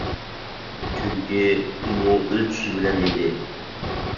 چۈنكى ئۇمۇ ئۆز چۈشى بىلەن ئىدى.